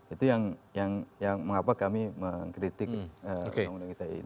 itu yang mengapa kami mengkritik